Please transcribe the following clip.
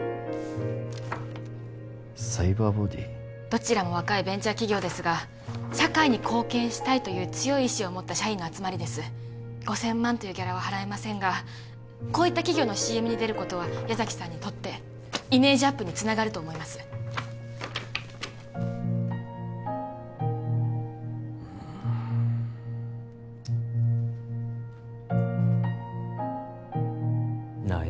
どちらも若いベンチャー企業ですが社会に貢献したいという強い意志を持った社員の集まりです５０００万というギャラは払えませんがこういった企業のＣＭに出ることは矢崎さんにとってイメージアップにつながると思いますなあ